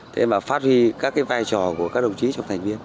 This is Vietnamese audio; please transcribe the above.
thế mà phát huy các cái vai trò của các đồng chí trong thành viên